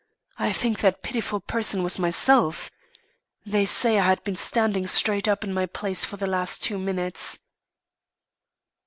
I think that pitiful person was myself. They say I had been standing straight up in my place for the last two minutes.